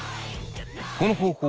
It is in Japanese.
この方法